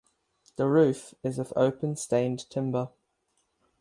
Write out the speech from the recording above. The roof is of open stained timber.